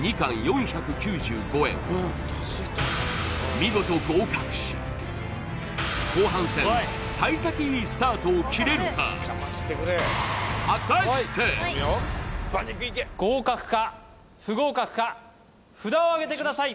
見事合格し後半戦さい先いいスタートを切れるか合格か不合格か札をあげてください